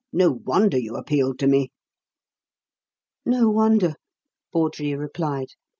"No wonder you appealed to me!" "No wonder!" Bawdrey replied.